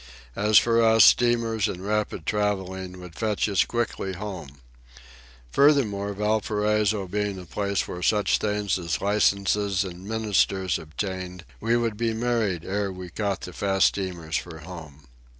As for us, steamers and rapid travelling would fetch us quickly home. Furthermore, Valparaiso being a place where such things as licences and ministers obtained, we would be married ere we caught the fast steamers for home.